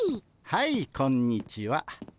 はいこんにちは。